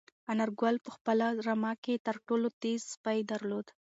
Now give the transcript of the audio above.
انارګل په خپله رمه کې تر ټولو تېز سپی درلود.